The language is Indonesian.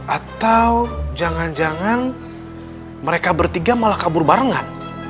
atau jangan jangan mereka bertiga malah kabur barengan